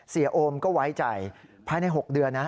โอมก็ไว้ใจภายใน๖เดือนนะ